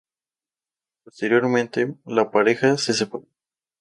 Posteriormente, la pareja se separó.